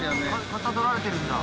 かたどられてるんだ。